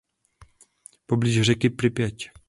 Poblíž řeky Pripjať.